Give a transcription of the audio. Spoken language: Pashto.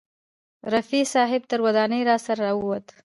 رفیع صاحب تر ودانۍ راسره راوووت.